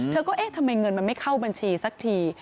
เธอก็เอ๊ะทำไมเงินมันไม่เข้าบัญชีสักที